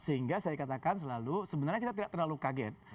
sehingga saya katakan selalu sebenarnya kita tidak terlalu kaget